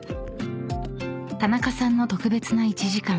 ［田中さんの特別な１時間］